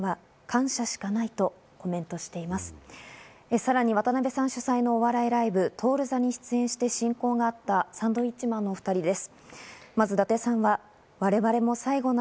さらに渡辺さん主催のお笑いライブ「徹座」に出演して親交があったサンドウィッチマンのお２人です。